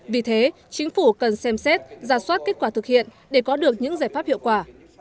vì thế chính phủ cần xem xét ra soát kết quả thực hiện để có được những giải pháp hiệu quả